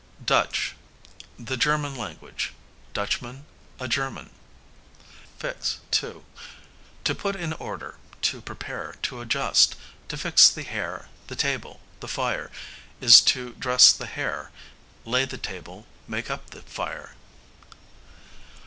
Dutch, the German language. Dutchman, a German. Fix, to; to put in order, to prepare, to adjust. To fix the hair, the table, the fire, is to dress the hair, lay the table, make up the fire.